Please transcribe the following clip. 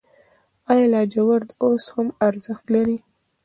آیا لاجورد اوس هم ارزښت لري؟